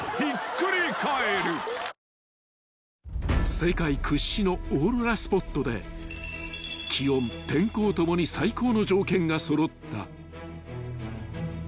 ［世界屈指のオーロラスポットで気温天候共に最高の条件が揃った］